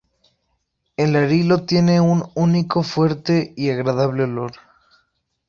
El arilo tiene un único, fuerte y agradable olor.